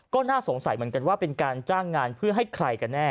ก็น่าสงสัยเหมือนกันว่าเป็นการจ้างงานเพื่อให้ใครกันแน่